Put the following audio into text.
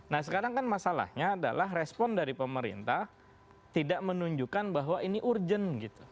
nah sekarang kan masalahnya adalah respon dari pemerintah tidak menunjukkan bahwa ini urgent gitu